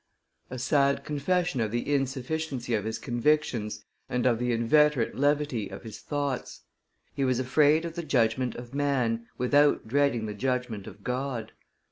A sad confession of the insufficiency of his convictions and of the inveterate levity of his thoughts; he was afraid of the judgment of man without dreading the judgment of God.